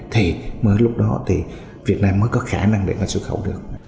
thì mới lúc đó việt nam mới có khả năng để xuất khẩu được